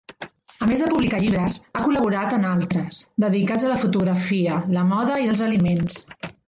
A més de publicar llibres, ha col·laborat en altres, dedicats a la fotografia, la moda i els aliments.